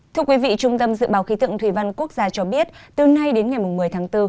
tâm dự báo khí tượng thủy văn quốc gia cho biết từ nay đến ngày một mươi tháng bốn